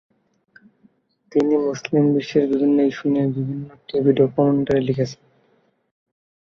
তিনি মুসলিম বিশ্বের বিভিন্ন ইস্যু নিয়ে বিভিন্ন টিভি ডকুমেন্টারি লিখেছেন।